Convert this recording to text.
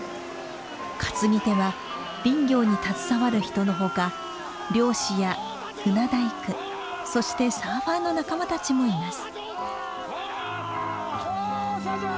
担ぎ手は林業に携わる人のほか漁師や船大工そしてサーファーの仲間たちもいます。